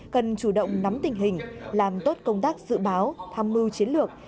cần chủ động nắm tình hình làm tốt công tác dự báo tham mưu chiến lược